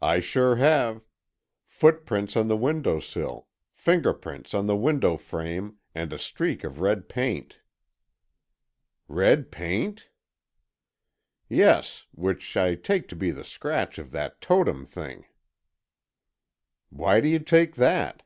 "I sure have. Footprints on the window sill, fingerprints on the window frame and a streak of red paint." "Red paint?" "Yes, which I take to be the scratch of that Totem thing." "Why do you take that?"